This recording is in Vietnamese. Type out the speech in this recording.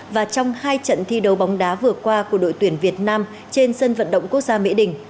và trong hai trận thi đấu bóng đá vừa qua của đội tuyển việt nam trên sân vận động quốc gia mỹ đình